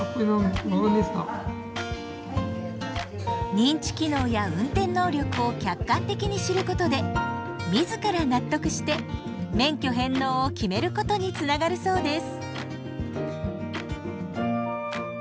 認知機能や運転能力を客観的に知ることで自ら納得して免許返納を決めることにつながるそうです。